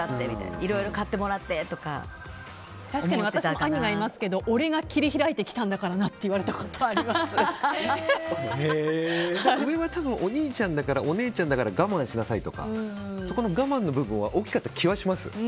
いろいろ買ってもらってとか確かに、私も兄がいますけど俺が切り開いてきたんだからなって上は多分、お兄ちゃんだからお姉ちゃんだから我慢しなさいとかそこの我慢の部分が大きかった気はします。